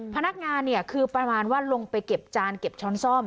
พนักงานเนี่ยคือประมาณว่าลงไปเก็บจานเก็บช้อนซ่อม